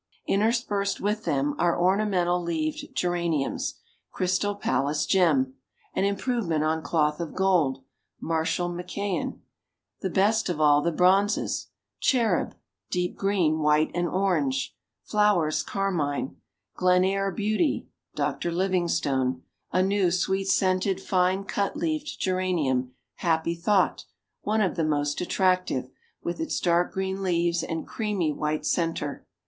Interspersed with them are ornamental leaved Geraniums, Crystal Palace Gem, an improvement on Cloth of Gold; Marshal McMahon, the best of all the bronzes; Cherub, deep green, white and orange, flowers carmine; Glen Eyre Beauty, Dr. Livingstone, a new, sweet scented, fine cut leaved Geranium; Happy Thought, one of the most attractive, with its dark green leaves and creamy white center.